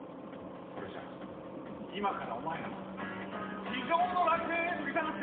それじゃあ今からお前らを地上の楽園へといざなってやろう！